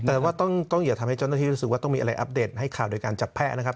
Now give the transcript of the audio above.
แต่ว่าต้องอย่าทำให้เจ้าหน้าที่รู้สึกว่าต้องมีอะไรอัปเดตให้ข่าวโดยการจับแพ้นะครับ